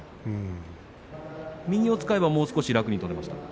右を使えばもう少し楽に取れましたか？